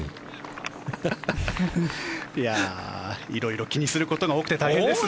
色々気にすることが多くて大変ですね。